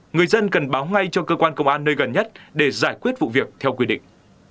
người dân cần báo ngay cho cơ quan công an nơi gần nhất để giải quyết vụ việc theo quy định